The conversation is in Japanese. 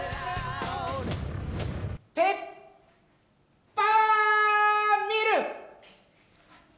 ペッパワーミル。